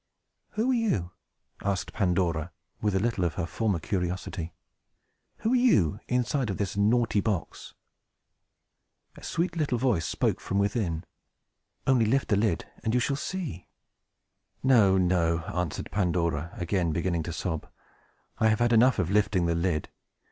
"Who are you?" asked Pandora, with a little of her former curiosity. "Who are you, inside of this naughty box?" A sweet little voice spoke from within, "Only lift the lid, and you shall see." "No, no," answered Pandora, again beginning to sob, "I have had enough of lifting the lid!